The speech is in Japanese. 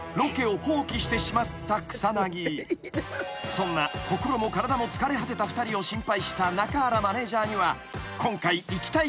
［そんな心も体も疲れ果てた２人を心配した中原マネジャーには今回行きたいところが］